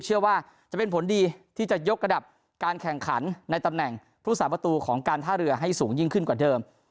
เชื่อว่าจะเป็นผลดีที่จะยกระดับการแข่งขันในตำแหน่งผู้สาประตูของการท่าเรือให้สูงยิ่งขึ้นกว่าเดิม